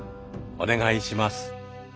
お願いします。